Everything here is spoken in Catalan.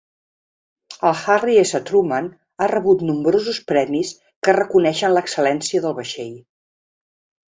El Harry S Truman ha rebut nombrosos premis que reconeixen l'excel·lència del vaixell.